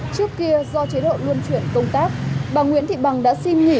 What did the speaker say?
trước kia do chế độ luân chuyển công tác bà nguyễn thị bằng đã xin nghỉ